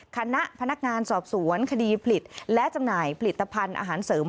คณะพนักงานสอบสวนคดีผลิตและจำหน่ายผลิตภัณฑ์อาหารเสริม